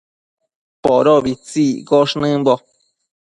Podobitsi iccosh nëmbo